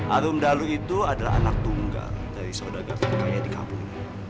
alun dalu itu adalah anak tunggal dari saudagar kaya di kampung